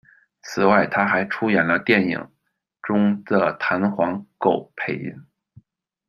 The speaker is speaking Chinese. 此外他还出演了电影《》中的弹簧狗配音。